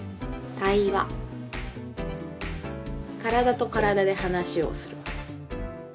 体と体で話をする。